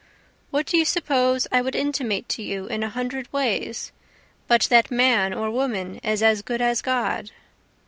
What do you suppose I would intimate to you in a hundred ways, but that man or woman is as good as God?